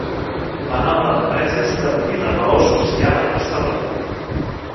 La nova empresa establí la raó social a Barcelona.